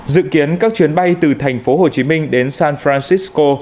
dự kiến các chuyến bay từ thành phố hồ chí minh đến san francisco